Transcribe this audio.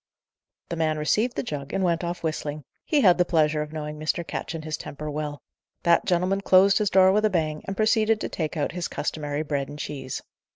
The man received the jug, and went off whistling; he had the pleasure of knowing Mr. Ketch and his temper well. That gentleman closed his door with a bang, and proceeded to take out his customary bread and cheese.